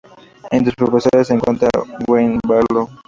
Entre sus profesores se encuentra Wayne Barlow.